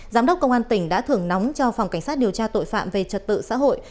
giám đốc công an tỉnh đã thưởng nóng cho phòng cảnh sát điều tra tội phạm về trật tự xã hội